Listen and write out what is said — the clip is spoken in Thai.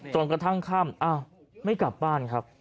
จนกระทั่งค่ำไม่กลับบ้านครับ